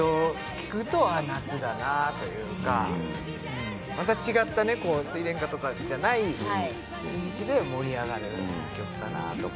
聴くと夏だなというかまた違ったね「睡蓮花」とかじゃない雰囲気で盛り上がる曲かなと思ってね